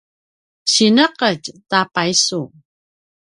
sineqetj ta paisu